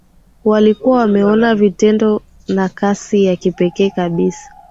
Walikuwa wameona vitendo na kasi ya kipekee kabisa